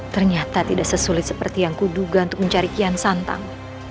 ternyata tidak sesulit seperti yang kuduga untuk mencari kian santang